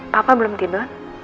papa belum tidur